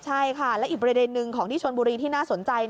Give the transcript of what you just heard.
ใช่ค่ะและอีกประเด็นหนึ่งของที่ชนบุรีที่น่าสนใจ